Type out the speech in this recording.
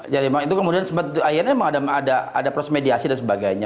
jadi itu kemudian sempat akhirnya memang ada proses mediasi dan sebagainya